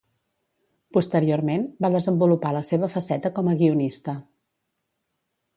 Posteriorment, va desenvolupar la seva faceta com a guionista.